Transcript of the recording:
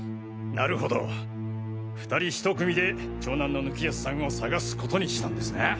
なるほど２人１組で長男の貫康さんを捜すことにしたんですな？